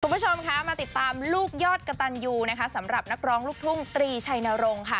คุณผู้ชมคะมาติดตามลูกยอดกระตันยูนะคะสำหรับนักร้องลูกทุ่งตรีชัยนรงค์ค่ะ